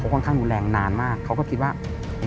ค่อนข้างรุนแรงนานมากเขาก็คิดว่า